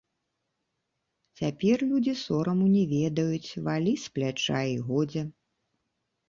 Цяпер людзі сораму не ведаюць, валі з пляча, і годзе.